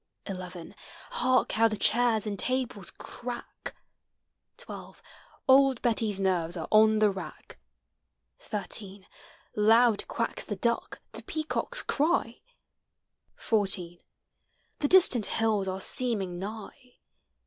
11 Hark how the chairs and tables crack! 12 Old Betty's nerves are on the rack; 13 Loud quacks the duck, the peacocks cry, 14 The distant hills are seeming nigh.